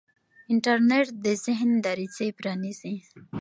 انټرنیټ د ذهن دریڅې پرانیزي.